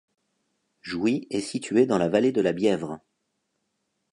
Jouy est situé dans la vallée de la Bièvre.